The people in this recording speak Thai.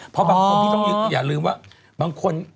เพราะบางคนที่ต้องอย่าลืมว่าบางคน